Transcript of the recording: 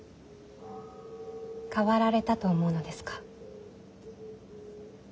変わられたと思うのですか。